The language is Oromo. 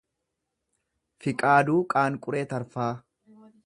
Fiqaaduu Qaanquree Tarfaa